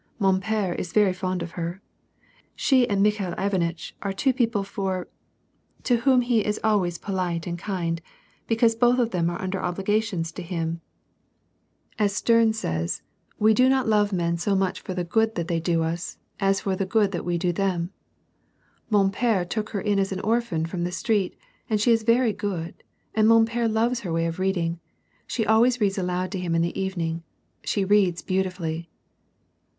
Mon pere is very fond of her. She and Mikhail Ivanitch are two people for — to whom he is always •" Tout c<miprendre, c'est tout pardonner." WAR AND PEACE. 123 polite and kind, because both of them are under oblii^^ttions to him ; as 8terne says ' We do not love men so much lor the good that they do us, as for the good that we do them.' Mon p^re took her in as an orphan from the street, and she is very good, and mon pere loves her way of reading. She always reads aloud to him in the evening. She reads beautifully.''